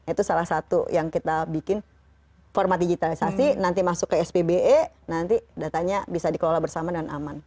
itu salah satu yang kita bikin format digitalisasi nanti masuk ke spbe nanti datanya bisa dikelola bersama dan aman